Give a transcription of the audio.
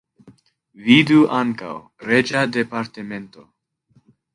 Vidu ankaŭ: Reĝa departemento.